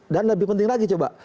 dan lebih penting lagi coba